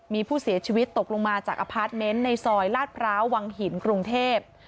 มีผู้เสียชีวิตตกลงมาจากอพาร์ทเมนต์ในซอยลาดพร้าววังหินกรุงเทพ